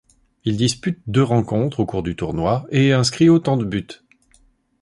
Il dispute deux rencontres au cours du tournoi et inscrit autant de buts.